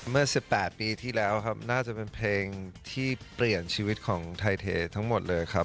เมื่อ๑๘ปีที่แล้วครับน่าจะเป็นเพลงที่เปลี่ยนชีวิตของไทยเททั้งหมดเลยครับ